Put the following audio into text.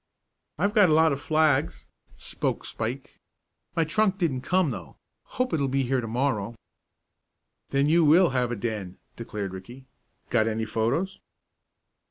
"I've got a lot of flags," spoke Spike. "My trunk didn't come, though. Hope it'll be here to morrow." "Then you will have a den!" declared Ricky. "Got any photos?"